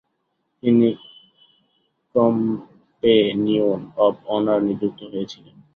তিনি companion of honour নিযুক্ত হয়েছিলেন।